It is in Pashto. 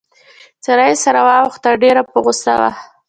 څېره يې سره واوښته، ډېره په غوسه وه.